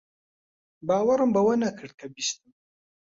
باوەڕم بەوە نەکرد کە بیستم.